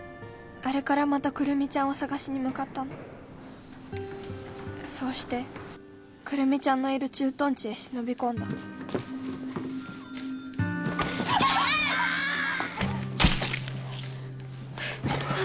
あれからまた来美ちゃんを捜しに向かったのそうして来美ちゃんのいる駐屯地へ忍び込んだあっ！